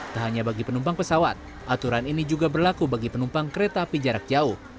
tak hanya bagi penumpang pesawat aturan ini juga berlaku bagi penumpang kereta api jarak jauh